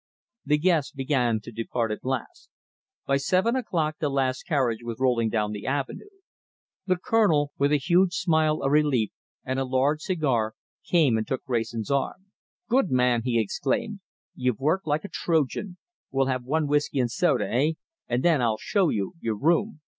The guests began to depart at last. By seven o'clock the last carriage was rolling down the avenue. The Colonel, with a huge smile of relief, and a large cigar, came and took Wrayson's arm. "Good man!" he exclaimed. "You've worked like a Trojan. We'll have one whisky and soda, eh? and then I'll show you your room.